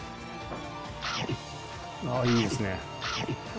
いいですね。